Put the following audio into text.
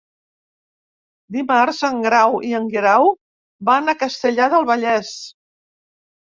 Dimarts en Grau i en Guerau van a Castellar del Vallès.